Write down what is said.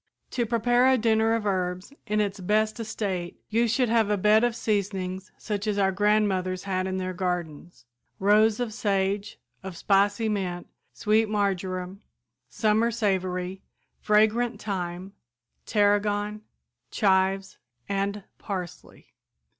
"To prepare a dinner of herbs in its best estate you should have a bed of seasonings such as our grandmothers had in their gardens, rows of sage, of spicy mint, sweet marjoram, summer savory, fragrant thyme, tarragon, chives and parsley.